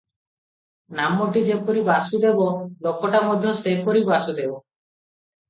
ନାମଟି ଯେପରି ବାସୁଦେବ, ଲୋକଟା ମଧ୍ୟ ସେହିପରି ବାସୁଦେବ ।